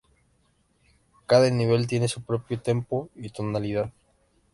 Cada nivel tiene su propio "tempo" y tonalidad.